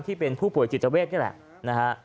ที่เป็นผู้ป่วยจิตเวทนี่แหละนะฮะ